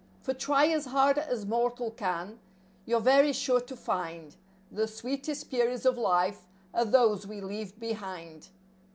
For try as hard as mortal can, you're very sure to find The sweetest periods of life are those we leave behind.